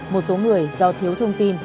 một số người do thiếu thông tin